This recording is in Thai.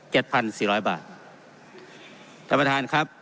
พันสี่ร้อยบาทท่านประธานครับ